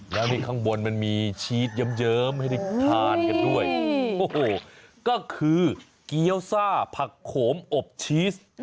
แล้วนี่ข้างบนมันมีชีสเยิ้มให้ได้ทานกันด้วยโอ้โหก็คือเกี้ยวซ่าผักโขมอบชีส